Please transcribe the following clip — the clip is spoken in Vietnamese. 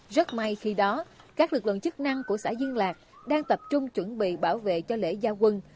rất may khi đó các lực lượng chức năng của xã dương lạc đang tập trung chuẩn bị bảo vệ cho lễ gia quân